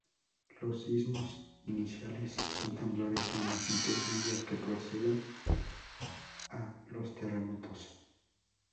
Los sismos iniciales son temblores de magnitud media que preceden a los terremotos.